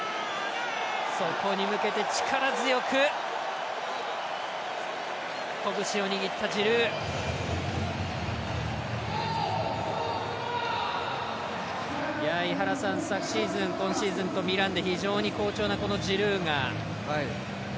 そこに向けて、力強く拳を握ったジルー。昨シーズン、今シーズンとミランで非常に好調なジルーが。